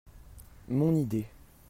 Mon idée.